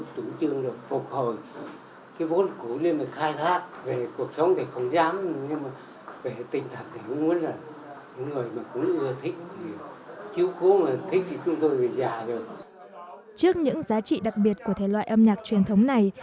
trước những giá trị đặc biệt của thể loại âm nhạc truyền thống này